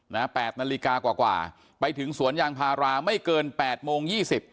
๘นาฬิกากว่าไปถึงสวนยางพาราไม่เกิน๘โมง๒๐